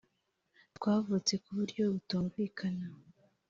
Twavutse ku buryo butumvikana,